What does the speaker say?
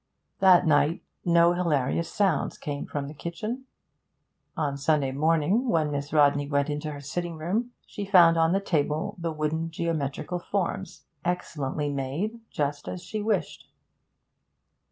That night no hilarious sounds came from the kitchen. On Sunday morning, when Miss Rodney went into her sitting room, she found on the table the wooden geometrical forms, excellently made, just as she wished.